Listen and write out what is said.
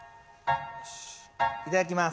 いただきます